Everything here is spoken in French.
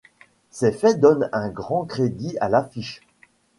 Ces faits donnent un grand crédit à l'affiche.